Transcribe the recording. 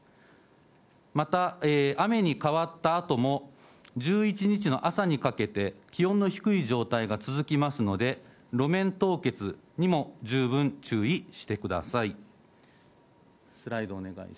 また雨に変わったあとも、１１日の朝にかけて、気温の低い状態が続きますので、路面凍結にも十分注意してください。